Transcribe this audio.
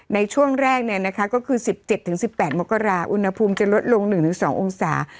ในช่วงแรกก็คือ๑๗๑๘มกราอุณหภูมิจะลดลง๑๒องศา